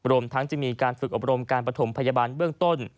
รวมทั้งจะมีการฝึกอบรมการประถมพยาบาลเบื้องต้น